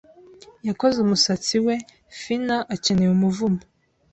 Yakoze umusatsi we, finna akeneye Umuvumo